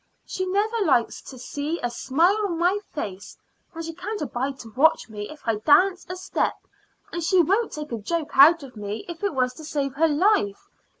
She never likes to see a smile on my face, and she can't abide to watch me if I dance a step, and she wouldn't take a joke out of me if it was to save her life.